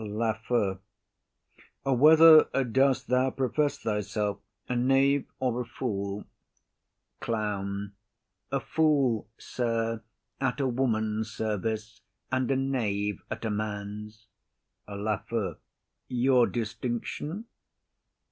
LAFEW. Whether dost thou profess thyself,—a knave or a fool? CLOWN. A fool, sir, at a woman's service, and a knave at a man's. LAFEW. Your distinction?